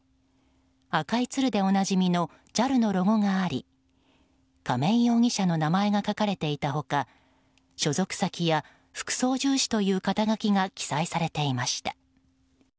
赤いツルでおなじみのＪＡＬのロゴがあり亀井容疑者の名前が書かれていた他所属先や副操縦士という肩書が記載されていました。